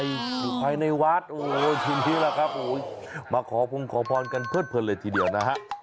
อยู่ภายในวัดโอ้โหชินที่แล้วครับมาขอพงขอพรกันเพิดเลยทีเดียวนะฮะ